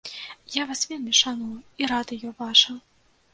Я вас вельмі шаную, і радыё ваша.